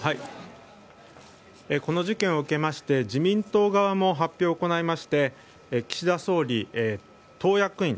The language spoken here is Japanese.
この事件を受けまして自民党側も発表を行いまして岸田総理、党役員